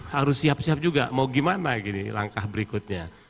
harus siap siap juga mau gimana langkah berikutnya